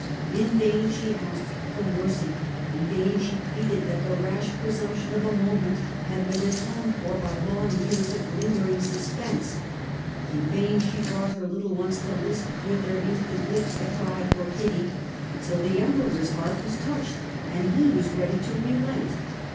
In vain she asked for mercy, in vain she pleaded that the rash presumption of a moment had been atoned for by long years of lingering suspense ; in vain she brought her bttle ones to lisp with their infant lips the cry for pity, till the Emperor's heart was touched and he was ready to relent.